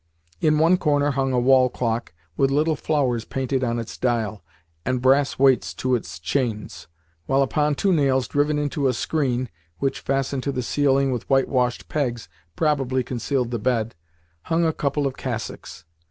In one corner hung a wall clock, with little flowers painted on its dial, and brass weights to its chains, while upon two nails driven into a screen (which, fastened to the ceiling with whitewashed pegs, probably concealed the bed) hung a couple of cassocks.